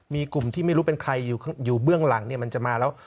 มีกลุ่มที่ไม่รู้เป็นใครอยู่เบื้องหลังเนี่ยมันจะมาแล้ว